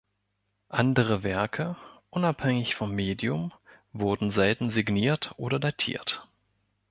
Andere Werke, unabhängig vom Medium, wurden selten signiert oder datiert.